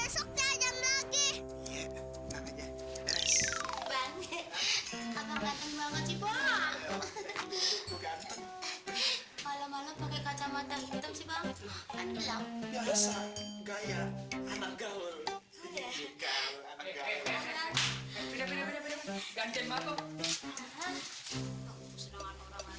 sampai jumpa di video selanjutnya